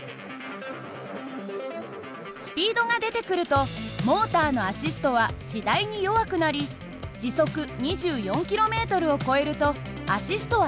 スピードが出てくるとモーターのアシストは次第に弱くなり時速２４ｋｍを超えるとアシストはなくなります。